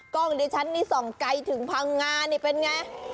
กล้องในชั้นนี้ส่องไก่ถึงพังงานี่เป็นอย่างไร